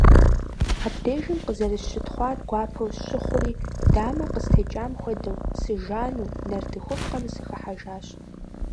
Абдежым къызэрысщытхъуар гуапэ сщыхъури, дамэ къыстекӀам хуэдэу, сыжану, нартыхупкъэм сыхыхьэжащ.